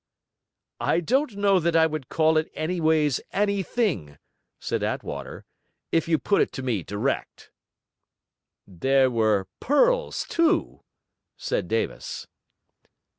'I don't know that I would call it anyways anything,' said Attwater, 'if you put it to me direct.' 'There were pearls too?' said Davis.